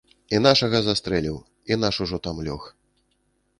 І нашага застрэліў, і наш ужо там лёг.